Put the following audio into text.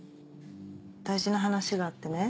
大事な話があってね。